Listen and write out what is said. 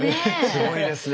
すごいですね。